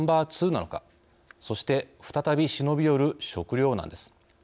そして再び忍び寄る食糧難です。